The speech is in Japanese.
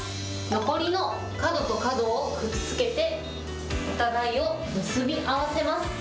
残りの角と角をくっつけて、お互いを結び合わせます。